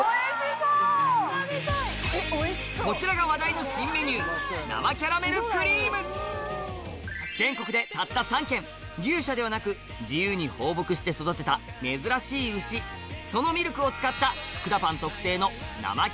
こちらが話題の新メニュー全国でたった３軒牛舎ではなく自由に放牧して育てた珍しい牛そのミルクを使った福田パンうん！